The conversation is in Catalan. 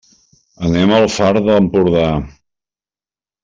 Anem al Far d'Empordà.